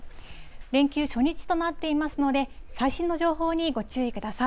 連休初日となっていますので、最新の情報にご注意ください。